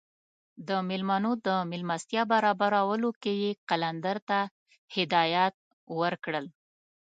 د میلمنو د میلمستیا برابرولو کې یې قلندر ته هدایات ورکړل.